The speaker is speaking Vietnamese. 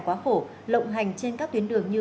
quá khổ lộng hành trên các tuyến đường như